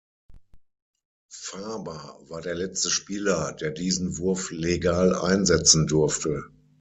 Faber war der letzte Spieler, der diesen Wurf legal einsetzen durfte.